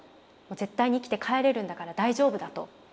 絶対に生きて帰れるんだから大丈夫だと。